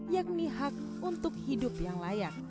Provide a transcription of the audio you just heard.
yakni hak untuk hidup yang layak